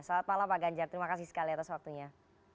selamat malam pak ganjar terima kasih sekali atas waktunya